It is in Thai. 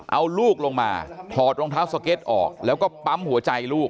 เอาลูกลงมาถอดรองเท้าสเก็ตออกแล้วก็ปั๊มหัวใจลูก